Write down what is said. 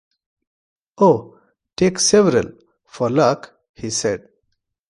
“Oh, take several — for luck,” he said.